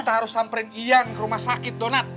kita harus samperin ian ke rumah sakit donat